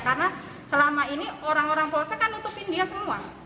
karena selama ini orang orang polosnya kan nutupin dia semua